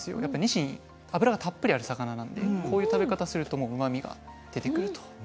やっぱニシン脂がたっぷりある魚なんでこういう食べ方するとうまみが出てくると。